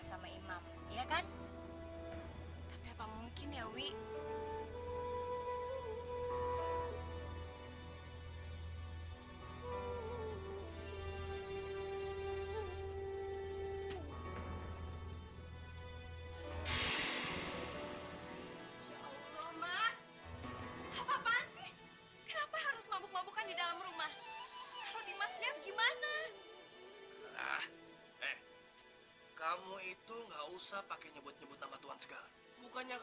sampai jumpa di video selanjutnya